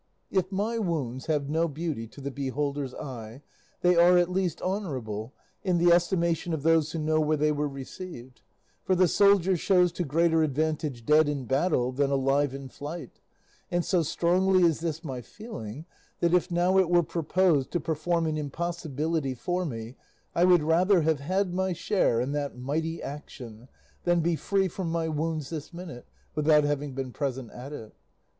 If my wounds have no beauty to the beholder's eye, they are, at least, honourable in the estimation of those who know where they were received; for the soldier shows to greater advantage dead in battle than alive in flight; and so strongly is this my feeling, that if now it were proposed to perform an impossibility for me, I would rather have had my share in that mighty action, than be free from my wounds this minute without having been present at it.